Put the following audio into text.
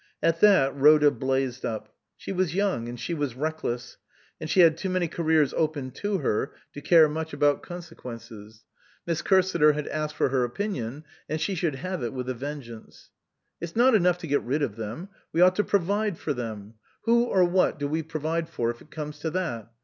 At that Rhoda blazed up. She was young, and she was reckless, and she had too many careers open to her to care much about conse 312 MISS QUINCEY STANDS BACK quences. Miss Cursiter had asked for her opinion and she should have it with a ven geance. " It's not enough to get rid of them. We ought to provide for them. Who or what do we provide for, if it comes to that?